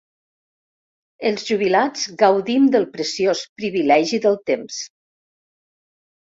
Els jubilats gaudim del preciós privilegi del temps.